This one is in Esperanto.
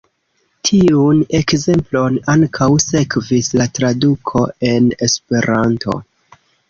Tiun ekzemplon ankaŭ sekvis la traduko en esperanto.